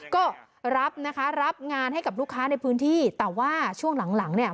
ก็รับนะคะรับงานให้กับลูกค้าในพื้นที่แต่ว่าช่วงหลังหลังเนี่ย